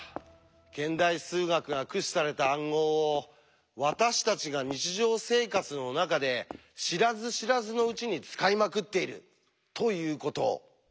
現代数学が駆使された暗号を私たちが日常生活の中で知らず知らずのうちに使いまくっているということを。